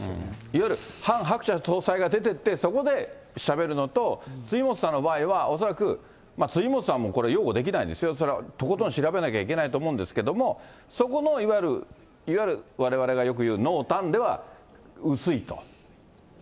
いわゆるハン・ハクチャ総裁が出ていって、そこでしゃべるのと、辻元さんの場合は恐らく辻元さんはこれはもう、擁護できないですよ、それは、とことん調べなきゃいけないと思うんですけど、そこのいわゆる、いわゆるわれわれがよく言う濃淡では薄いと。